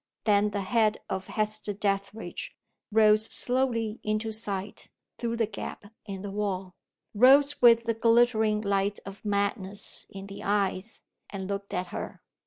Then the head of Hester Dethridge rose slowly into sight through the gap in the wall rose with the glittering light of madness in the eyes, and looked at her.